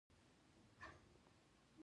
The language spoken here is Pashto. هيلې يې ورو غوندې د کوټې دروازه وروټکوله